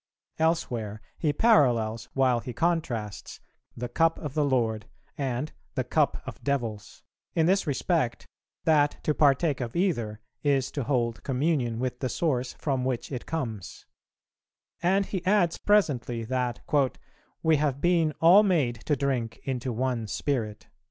Elsewhere, he parallels, while he contrasts, "the cup of the Lord" and "the cup of devils," in this respect, that to partake of either is to hold communion with the source from which it comes; and he adds presently, that "we have been all made to drink into one spirit."